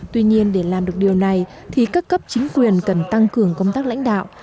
tuy nhiên để làm được điều này thì các cấp chính quyền cần tăng cường công tác lãnh đạo